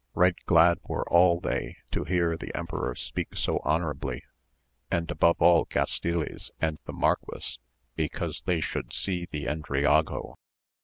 Right glad were all they to hear the emperor speak so honourably, and above all Gastiles and the marquis because they should see the Endriago.